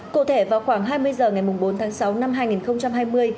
cụ thể vào khoảng hai mươi h ngày bốn tháng sáu năm hai nghìn hai mươi